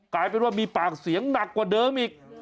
กลายเป็นว่ามีปากเสียงหนักกว่าเดิมอีก